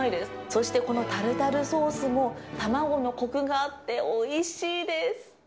そしてこのタルタルソースも卵のこくがあっておいしいです。